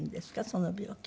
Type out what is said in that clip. その病気。